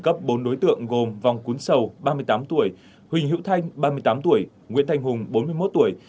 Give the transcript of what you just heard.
công an thành phố biên hòa đã bắt khẳng định cấp bốn đối tượng gồm vong cún sầu ba mươi tám tuổi huỳnh hữu thanh ba mươi tám tuổi nguyễn thanh hùng bốn mươi một tuổi